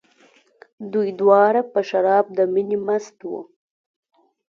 دوی دواړه په شراب د مینې مست وو.